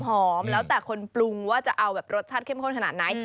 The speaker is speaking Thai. แล้วแต่คนปรุงว่าจะเอาแบบรสชาติเข้มข้นขนาดไหน